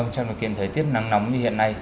trong điều kiện thời tiết nắng nóng như hiện nay